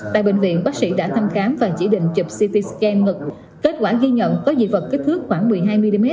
tại bệnh viện bác sĩ đã thăm khám và chỉ định chụp ct skm mật kết quả ghi nhận có dị vật kích thước khoảng một mươi hai mm